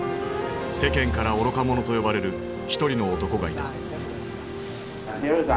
世間から「愚か者」と呼ばれる一人の男がいた。